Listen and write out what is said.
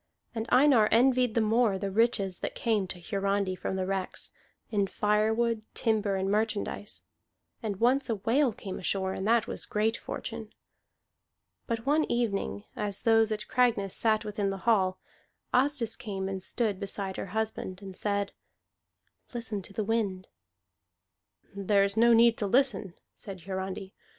And Einar envied the more the riches that came to Hiarandi from the wrecks, in firewood, timber, and merchandise. And once a whale came ashore, and that was great fortune. But one evening, as those at Cragness sat within the hall, Asdis came and stood beside her husband, and said, "Listen to the wind." "There is no need to listen," said Hiarandi.